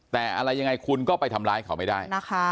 แต่อะไรยังไงคุณก็ไปทำร้ายเขาไม่ได้นะคะ